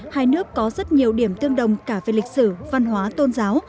hai nước có rất nhiều điểm tương đồng cả về lịch sử văn hóa tôn giáo